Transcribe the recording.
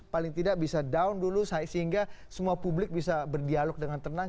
paling tidak bisa down dulu sehingga semua publik bisa berdialog dengan tenang